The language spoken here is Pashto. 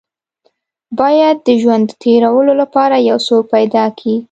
بايد د ژوند د تېرولو لپاره يو څوک پيدا کې.